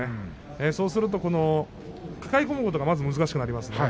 そうすると抱え込むことが難しくなります。